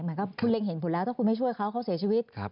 เหมือนกับคุณเล็งเห็นผลแล้วถ้าคุณไม่ช่วยเขาเขาเสียชีวิต